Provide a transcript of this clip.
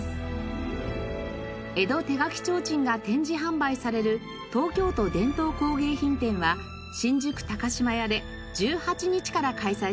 江戸手描提灯が展示販売される東京都伝統工芸品展は新宿島屋で１８日から開催されます。